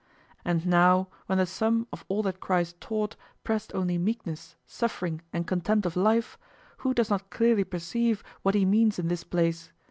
And now when the sum of all that Christ taught pressed only meekness, suffering, and contempt of life, who does not clearly perceive what he means in this place?